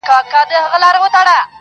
چي ته څوک یې ته پر کوم لوري روان یې!!